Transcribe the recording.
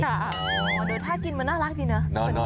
เดี๋ยวถ้ากินมันน่ารักดีนะ